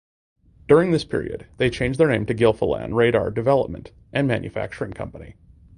During this period they changed their name to Gilfillan Radar Development and Manufacturing Company.